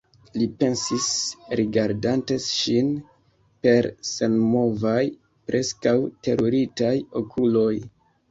li pensis, rigardante ŝin per senmovaj, preskaŭ teruritaj okuloj.